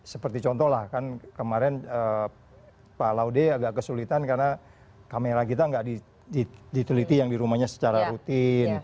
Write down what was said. seperti contoh lah kan kemarin pak laude agak kesulitan karena kamera kita tidak diteliti yang di rumahnya secara rutin